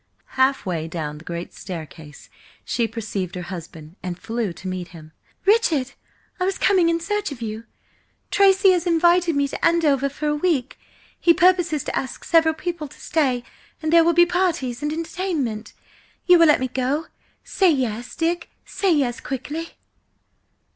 Half way down the great staircase she perceived her husband, and flew to meet him. "Richard, I was coming in search of you! Tracy has invited me to Andover for a week–he purposes to ask several people to stay, and there will be parties–and entertainment! You will let me go? Say yes, Dick say yes, quickly!"